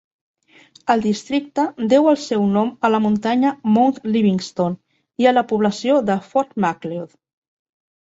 El districte deu el seu nom a la muntanya Mount Livingstone i a la població de Fort Macleod.